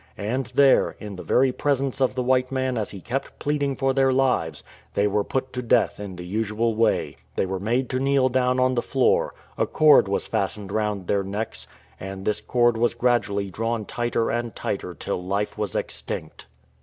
And there, in the very presence of the white man as he kept pleading for their lives, they were put to death in the usual way. They were made to kneel down on the floor ; a cord was fastened round their necks; and this cord was gradually drawn tighter and tighter till life was extinct.